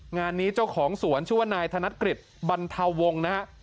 งานนี้เจ้าของสวนชื่อว่านายธนกฤษบรรเทาวงศ์นะฮะ